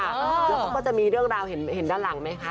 แล้วเขาก็จะมีเรื่องราวเห็นด้านหลังไหมคะ